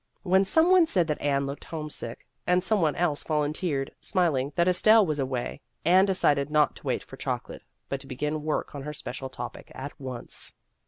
When some one said that Anne looked homesick, and some one else volunteered, smiling, that Estelle was away, Anne decided not to wait for choco late, but to begin work on her special topic at once.